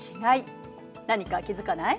何か気付かない？